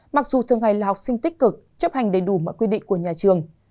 mặc dù thường ngày là học sinh tích cực chấp hành đầy đủ mọi quy định của nhà trường